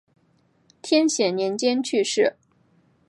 天显年间去世。